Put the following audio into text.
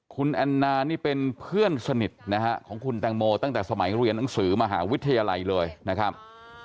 คุณแอนนานี่เป็นเพื่อนสนิทนะฮะของคุณแตงโมตั้งแต่สมัยเรียนหนังสือมหาวิทยาลัยเลยนะครับ